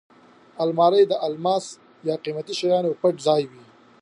الماري د الماس یا قېمتي شیانو پټ ځای وي